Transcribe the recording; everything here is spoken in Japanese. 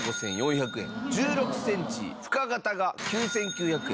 １６センチ深型が９９００円。